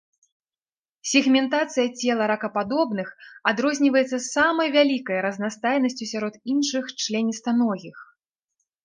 Сегментацыя цела ракападобных адрозніваецца самай вялікай разнастайнасцю сярод іншых членістаногіх.